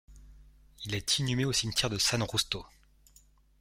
Il est inhumé au cimetière de San Justo.